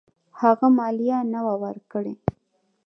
هغه مالیه نه وه ورکړې.